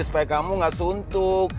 supaya kamu gak suntuk